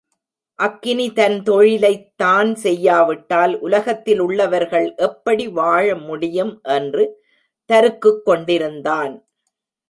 அக்கினி தன் தொழிலைத் தான் செய்யாவிட்டால் உலகத்திலுள்ளவர்கள் எப்படி வாழ முடியும் என்று தருக்குக் கொண்டிருந்தான்.